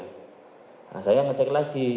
nah saya mengecek lagi